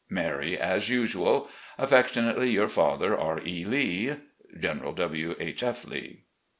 Mary as usual. " Affectionately your father, R. E. Lee. "General W. H. F. Lee."